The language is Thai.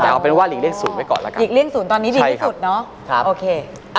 อ่าวว่าหลีกเลขศูนย์เอาไปก่อนล่ะครับหลีกเลขศูนย์ตอนนี้ดีที่สุดเนาะครับ